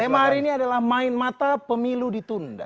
tema hari ini adalah main mata pemilu ditunda